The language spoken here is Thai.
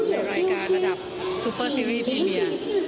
ในรายการระดับซุปเปอร์ซีรีส์พี่เมีย